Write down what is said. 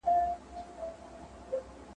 دومره مړه کي په ښارونو کي وګړي !.